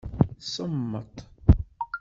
Semmeṭ.